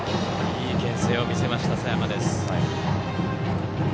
いいけん制を見せました、佐山。